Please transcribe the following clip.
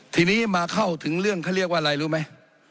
ทีนี้มาเข้าถึงเรื่องเขาเรียกว่าอะไรรู้ไหม